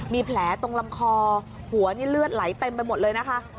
มีแผลตรงลำคอหัวนี่เลือดไหลเต็มไปหมดเลยนะคะ